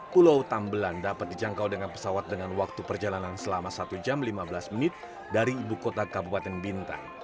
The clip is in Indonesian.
pulau tambelan dapat dijangkau dengan pesawat dengan waktu perjalanan selama satu jam lima belas menit dari ibu kota kabupaten bintan